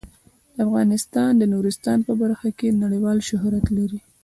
افغانستان د نورستان په برخه کې نړیوال شهرت لري.